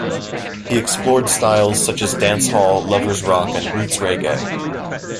He explored styles such as dancehall, lovers rock and roots reggae.